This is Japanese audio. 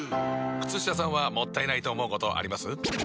靴下さんはもったいないと思うことあります？